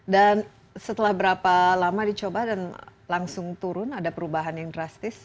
dan setelah berapa lama dicoba dan langsung turun ada perubahan yang drastis